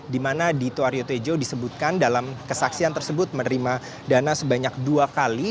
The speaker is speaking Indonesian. dimana adhito aryo tejo disebutkan dalam kesaksian tersebut menerima dana sebanyak dua kali